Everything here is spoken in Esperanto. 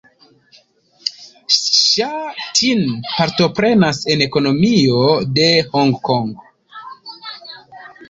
Ŝa Tin partoprenas en ekonomio de Honkongo.